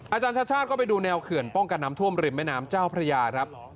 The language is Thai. อาจารย์ชาติชาติก็ไปดูแนวเขื่อนป้องกันน้ำท่วมริมแม่น้ำเจ้าพระยาครับ